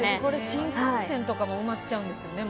新幹線とかも埋まっちゃうんですよね。